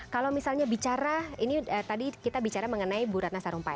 kalau misalnya bicara ini tadi kita bicara mengenai bu ratna sarumpait